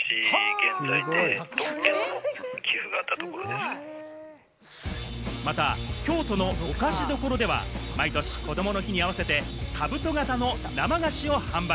すごい！また京都のお菓子どころでは毎年、こどもの日に合わせて兜型の生菓子を販売。